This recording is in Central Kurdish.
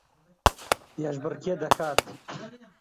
پێشبڕکێ دەکا